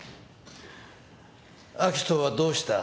明人はどうした？